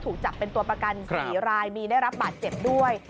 ถูกจับเป็นตัวประกัน๔รายมีได้รับบาดเจ็บด้วย